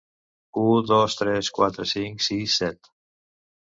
U dos tres quatre cinc sis set.